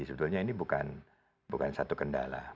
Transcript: sebetulnya ini bukan satu kendala